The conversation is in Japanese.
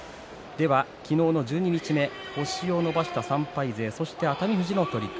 昨日の十二日目星を伸ばした３敗勢そして、熱海富士の取組